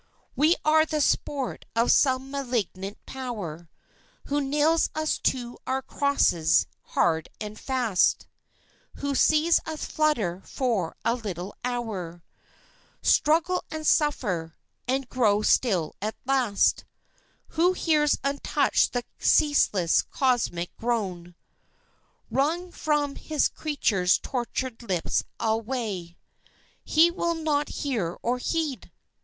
We are the sport of some malignant Power Who nails us to our crosses, hard and fast, Who sees us flutter for a little hour, Struggle and suffer ... and grow still at last; Who hears untouched the ceaseless, cosmic groan Wrung from his creatures' tortured lips alway; He will not hear or heed!